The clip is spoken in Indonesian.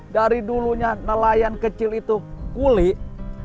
dari dulunya nelayan kecil itu kulik